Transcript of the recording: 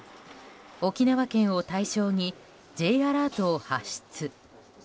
沖縄県を対象にＪアラートを発出。